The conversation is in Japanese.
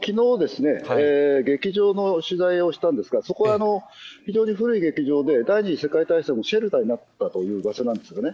きのう、劇場の取材をしたんですが、そこは非常に古い劇場で、第２次世界大戦のシェルターになっていたという場所なんですね。